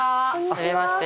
はじめまして。